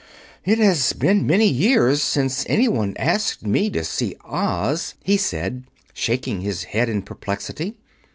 "It has been many years since anyone asked me to see Oz," he said, shaking his head in perplexity.